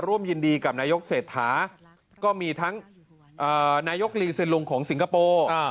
ร่วมยินดีกับนายกเศรษฐาก็มีทั้งนายกลีเซ็นลุงของสิงคโปร์